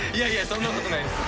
そんなことないです。